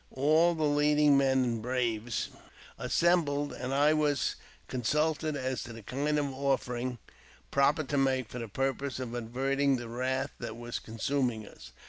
All the leading men and braves assembled, and I was consulted as to the kind of offering proper to make for th^l purpose of averting the wrath that was consuming us.